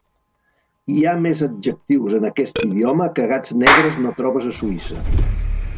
Hi ha més adjectius en aquest idioma que gats negres no trobes a Suïssa.